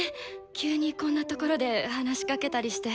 急にこんな所で話しかけたりして。